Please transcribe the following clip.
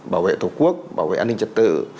bảo vệ thổ quốc bảo vệ an ninh trật tự